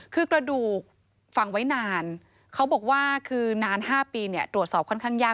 คือกระดูกฝังไว้นานเขาบอกว่าคือนาน๕ปีตรวจสอบค่อนข้างยาก